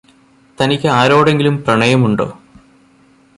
തനിക്ക് ആരോടെങ്കിലും പ്രണയമുണ്ടോ?